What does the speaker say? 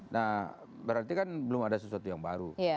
nah berarti kan belum ada sesuatu yang baru